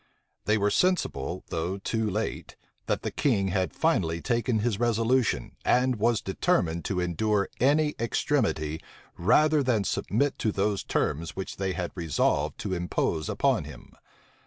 They were sensible, though too late, that the king had finally taken his resolution, and was determined to endure any extremity rather than submit to those terms which they had resolved to impose upon him.